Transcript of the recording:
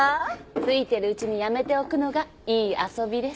ついてるうちにやめておくのがいい遊びです。